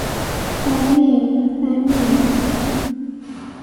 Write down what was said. Amin! Amin!